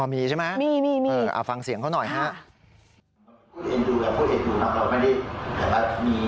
มีใช่ไหมฟังเสียงเขาหน่อยฮะ